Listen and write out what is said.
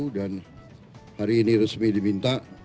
hari ini resmi diminta